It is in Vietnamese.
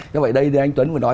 như vậy đây anh tuấn vừa nói